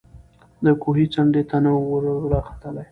د کوهي څنډي ته نه وو راختلی